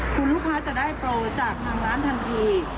คุณลูกค้าจะได้โปรจากทางร้านทันที